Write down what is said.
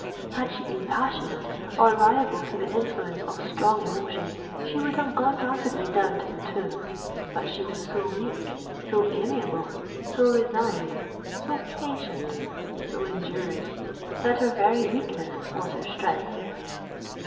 Had she been passionate, or liable to the influence of strong emotions, she would have gone rapidly down to the tomb; but she was so meek—so amiable—so resigned—so patient—so enduring, that her very weakness was her strength.